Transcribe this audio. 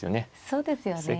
そうですよね。